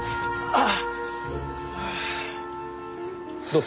ああ！